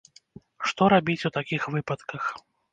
Што рабіць у такіх выпадках?